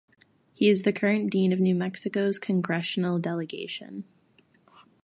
He is the current dean of New Mexico's Congressional Delegation.